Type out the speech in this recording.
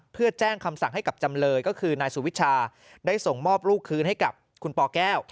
เพื่อแจ้งคำสั่งให้กับจำเลยก็คือนายสุวิชาได้ส่งมอบลูกคืนให้กับคุณปแก้ว